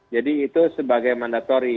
jadi itu sebagai mandatory